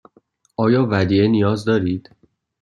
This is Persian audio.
آیا ودیعه نیاز دارید؟